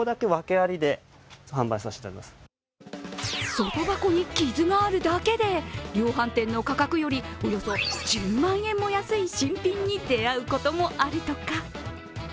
外箱に傷があるだけで量販店の価格よりおよそ１０万円も安い新品に出会うこともあるとか。